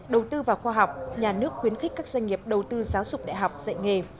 đầu tư vào khoa học nhà nước khuyến khích các doanh nghiệp đầu tư giáo dục đại học dạy nghề